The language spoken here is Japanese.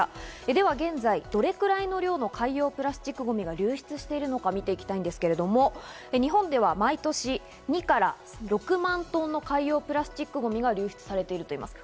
では現在、どれくらいの量の海洋プラスチックゴミが流出しているのか見ていきたいんですけれども、日本では毎年２から６万トンの海洋プラスチックゴミが流出されているといいます。